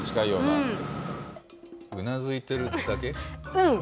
うん。